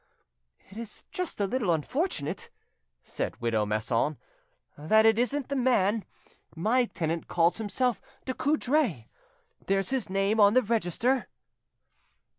"It is just a little unfortunate," said widow Masson, "that it isn't the man. My tenant calls himself Ducoudray. There's his name on the register."